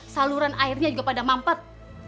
saluran airnya juga pada mampat